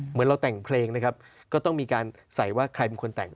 เหมือนเราแต่งเพลงนะครับก็ต้องมีการใส่ว่าใครเป็นคนแต่ง